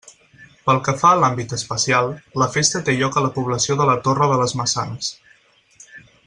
Pel que fa a l'àmbit espacial, la festa té lloc a la població de la Torre de les Maçanes.